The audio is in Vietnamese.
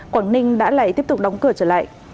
quảng ninh đã lại tiếp tục đóng cửa trở lại